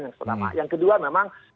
yang pertama yang kedua memang